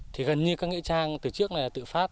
thì gần như các nghĩa trang từ trước này là tự phát